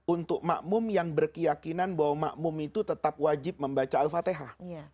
untuk makmum yang berkeyakinan bahwa makmum itu tetap wajib membaca al fatihah